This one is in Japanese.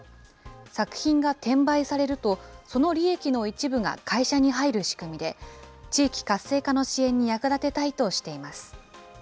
作品が転売されると、その利益の一部が会社に入る仕組みで、地域活性化の支援に役立てたいとしています。